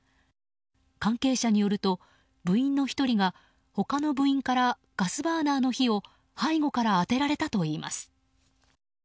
関係者によると、部員の１人が他の部員からガスバーナーの火を背後から当てられたといいます。